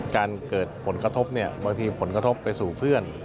การเกิดผลกระทบเนี่ยบางทีผลกระทบไปสู่เพื่อน